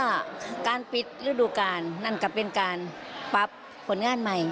ว่าการปิดฤดูการนั่นก็เป็นการปรับผลงานใหม่